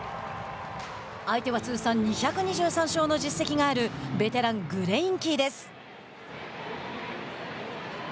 相手は通算２２３勝の実績があるベテラン、グレインキーです。